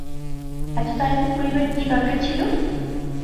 এত তাড়াতাড়ি করিবার কী দরকার ছিল?